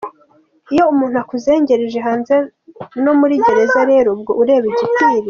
Iyo umuntu akuzengereje hanze no muri gereza rero ubwo ureba igikwiye!